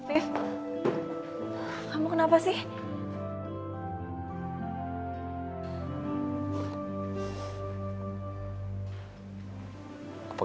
itu harus diatur